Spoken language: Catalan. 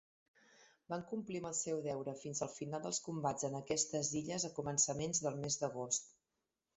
Van complir amb el seu deure fins el final dels combats en aquestes illes a començaments del mes d'agost.